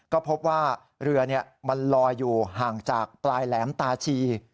ก็พบว่าเรือมันลอยอยู่ห่างจากปลายแหลมตาชี